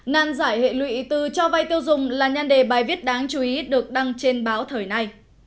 nan giải hệ lụy từ cho vay tiêu dùng là nhan đề bài viết đáng chú ý được đăng trên báo thời nay